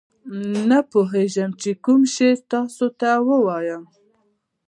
نه پوهېږم چې کوم شعر تاسو ته ووایم.